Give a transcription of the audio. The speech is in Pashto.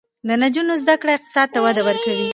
د نجونو زده کړه اقتصاد ته وده ورکوي.